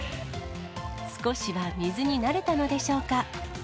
少しは水に慣れたのでしょうか。